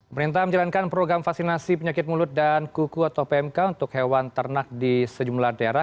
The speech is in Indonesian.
merintah menjalankan program vaksinasi penyakit mulut dan kuku atau pmk untuk hewan ternak di sejumlah daerah